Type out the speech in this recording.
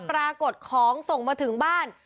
ปรากฏของส่งมาถึงบ้าน